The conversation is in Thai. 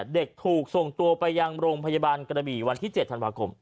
เด็กถูกส่งตัวไปยังโรงพยาบาลกระบี่วันที่๗ธันวาคม